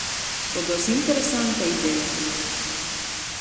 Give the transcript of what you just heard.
Roduos interesanta ideja.